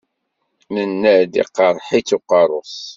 Tenna-d iqerreḥ-itt uqerru-s.